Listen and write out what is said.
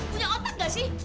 punya otak gak sih